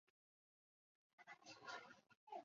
勒普拉尼亚。